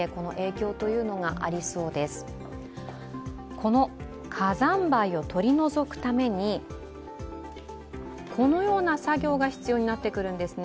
この火山灰を取り除くために、このような作業が必要になってくるんですね。